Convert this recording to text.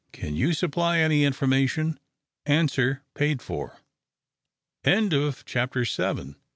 Can you supply any information? Answer paid for." CHAPTER VIII.